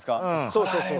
そうそうそう。